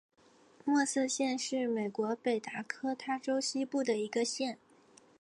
默瑟县是美国北达科他州西部的一个县。